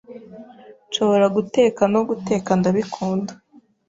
Nshobora guteka no guteka ndabikunda